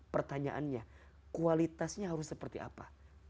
pertanyaannya kualitasnya harus seperti apa